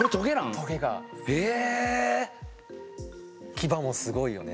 キバもすごいよね